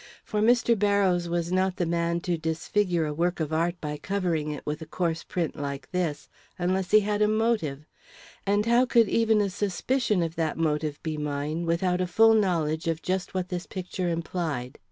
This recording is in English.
For Mr. Barrows was not the man to disfigure a work of art by covering it with a coarse print like this unless he had a motive; and how could even a suspicion of that motive be mine, without a full knowledge of just what this picture implied?